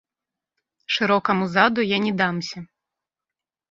Шырокаму заду я не дамся.